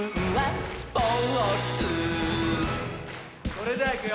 それじゃいくよ